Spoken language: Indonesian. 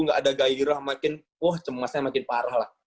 nggak ada gairah makin wah cemasnya makin parah lah